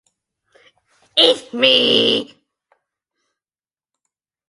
Eat me!